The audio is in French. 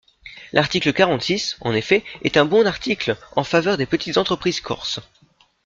L’article quarante-six, en effet, est un bon article, en faveur des petites entreprises corses.